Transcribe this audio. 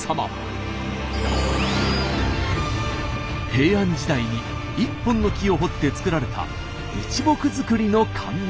平安時代に一本の木を彫って造られた一木造りの観音様。